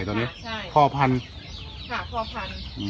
ไก่ตรงนี้ใช่พ่อพันธุ์ฝากพ่อพันธุ์